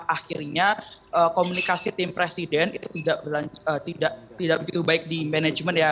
akhirnya komunikasi tim presiden itu tidak begitu baik di manajemen ya